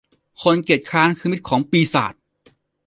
คนเกียจคร้านคือมิตรของปีศาจ